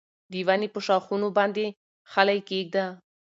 د ونې په ښاخونو باندې خلی کېږده.